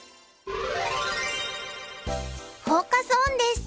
フォーカス・オンです。